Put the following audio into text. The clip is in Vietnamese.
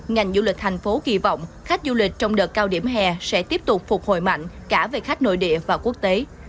ngành du lịch thành phố kỳ vọng khách du lịch trong đợt cao điểm hè sẽ tiếp tục phục hồi mạnh cả về khách nội địa và quốc tế